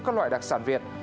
các loại đặc sản việt